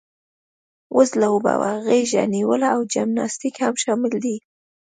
وزلوبه، غېږه نیول او جمناسټیک هم شامل دي.